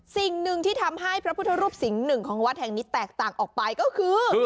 สิ่งหนึ่งที่ทำให้พระพุทธรูปสิงห์หนึ่งของวัดแห่งนี้แตกต่างออกไปก็คือ